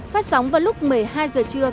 phát sóng vào lúc một mươi hai h trưa